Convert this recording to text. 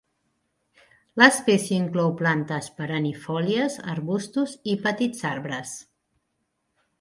L'espècie inclou plantes perennifòlies, arbustos i petits arbres.